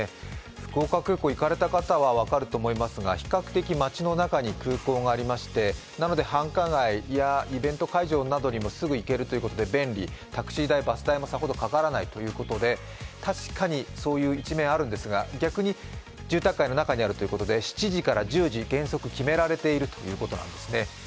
福岡空港、行かれた方は分かると思いますが比較的街の中に空港がありまして、なので繁華街、イベント会場などにもすぐ行けるということで便利、タクシー代、バス代もさほどかからないということで確かにそういう一面あるんですが逆に住宅街の中にあるということで、７時から１０時、原則決められているということなんですね。